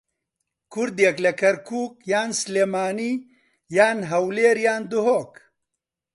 کوردێک لە کەرکووک یان سلێمانی یان هەولێر یان دهۆک